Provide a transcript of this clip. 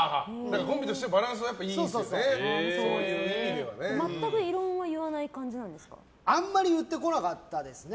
コンビとしてのバランスは全く異論は言わない感じあまり言ってこなかったですね。